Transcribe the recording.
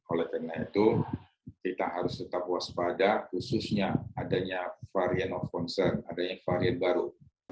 oleh karena itu kita harus tetap waspada khususnya adanya varian of concern adanya varian baru